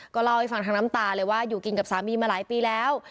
ก็เล่าให้ฟังทั้งน้ำตาเลยว่าอยู่กินกับสามีมาหลายปีแล้ว